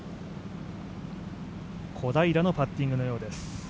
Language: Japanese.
小平のパッティングのようです。